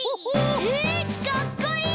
えかっこいい！